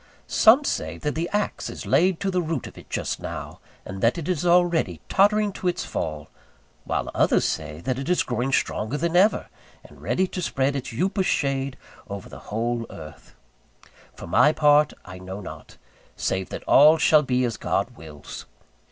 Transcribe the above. Some say that the axe is laid to the root of it just now, and that it is already tottering to its fall: while others say that it is growing stronger than ever, and ready to spread its upas shade over the whole earth. For my part, I know not, save that all shall be as God wills.